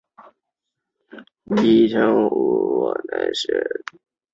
在荷鲁斯与赛特之间发生了一场持续了长达八十年的战斗。